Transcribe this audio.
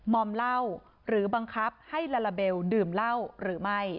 มอมเหล้าหรือบังคับให้ลาลาเบลดื่มเหล้าหรือไม่